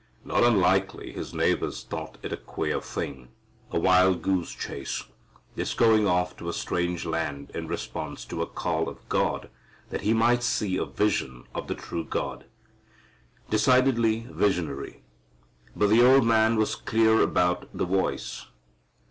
Not unlikely his neighbors thought it a queer thing, a wild goose chase, this going off to a strange land in response to a call of God that he might see a vision of the true God. Decidedly visionary. But the old man was clear about the voice.